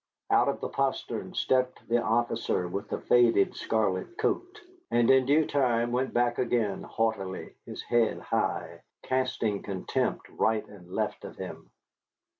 Out of the postern stepped the officer with the faded scarlet coat, and in due time went back again, haughtily, his head high, casting contempt right and left of him.